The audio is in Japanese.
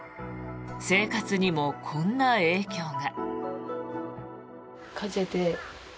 生活にもこんな影響が。